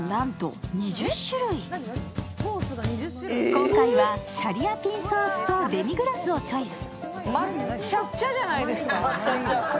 今回はシャリアピンソースとデミグラスをチョイス。